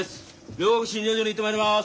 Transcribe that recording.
両国診療所に行ってまいります。